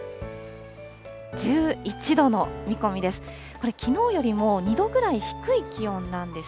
１１度の見込みです。